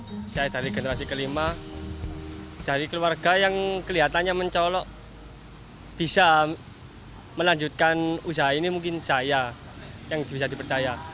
saya dari generasi kelima dari keluarga yang kelihatannya mencolok bisa melanjutkan usaha ini mungkin saya yang bisa dipercaya